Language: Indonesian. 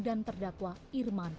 dan terdakwa irman